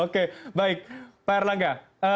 oke baik pak erlangga